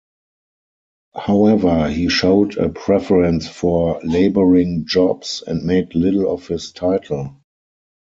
However, he showed a preference for labouring jobs, and made little of his title.